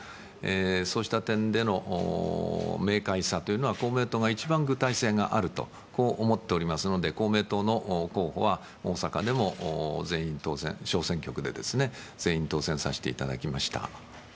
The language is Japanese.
そうした点での明快さというのは公明党が一番具体性があると思っておりますので公明党の候補は、大阪でも小選挙区で、全員当選させていただきました。